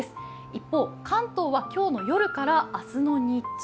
一方、関東は今日の夜から明日の日中。